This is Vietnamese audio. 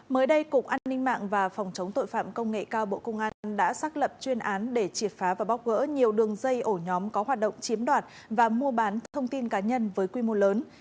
mới đây cục an ninh mạng và phòng chống tội phạm công nghệ cao bộ công an đã xác lập chuyên án để triệt phá và bóc gỡ nhiều đường dây ổ nhóm có hoạt động chiếm đoạt và mua bán thông tin cá nhân với quy mô lớn